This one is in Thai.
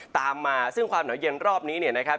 ตามมาซึ่งความหนาวเย็นรอบนี้เนี่ยนะครับ